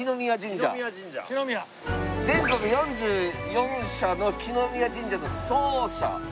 全国４４社の來宮神社の総社。